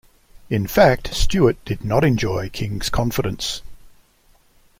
In fact, Stewart did not enjoy King's confidence.